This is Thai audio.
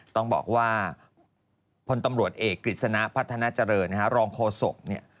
ต้องบอกว่าพลตำรวจเอกกฤษณะพัฒนาเจริญรองโฆษกเนี่ย